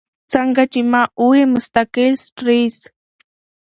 څنګه چې ما اووې مستقل سټرېس ،